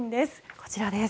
こちらです。